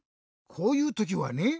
こういうときはね